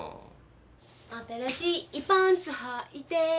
「新しいパンツはいて」